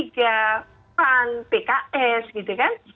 p tiga pan pks gitu kan